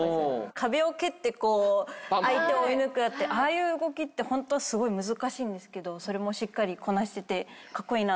壁を蹴ってこう相手を追い抜くってああいう動きってホントすごい難しいんですけどそれもしっかりこなしててカッコイイなと思いました。